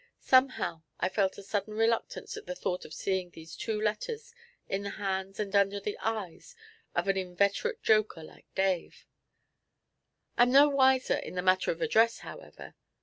Somehow I felt a sudden reluctance at the thought of seeing those two letters in the hands and under the eyes of an inveterate joker like Dave. 'I'm no wiser in the matter of address, however.'